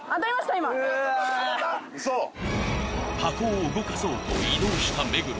今うわ箱を動かそうと移動した目黒